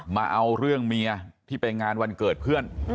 มาเอาเรื่องเมียที่ไปงานวันเกิดเพื่อน